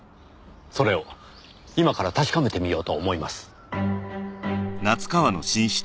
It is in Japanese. それを今から確かめてみようと思います。